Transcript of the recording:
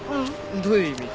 どういう意味？